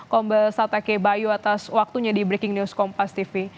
kombes sateke bayu atas waktunya di breaking news kompas tv